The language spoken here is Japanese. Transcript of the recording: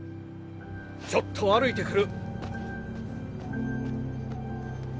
ちょっと歩いてくる。